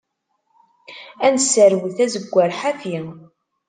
Ad nesserwet azeggar ḥafi.